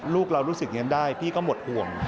ลูกเรารู้สึกอย่างนั้นได้พี่ก็หมดห่วง